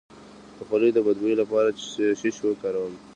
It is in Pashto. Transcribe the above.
د خولې د بد بوی لپاره باید څه شی وخورم؟